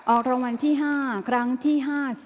ออกรางวัลที่๕ครั้งที่๕๐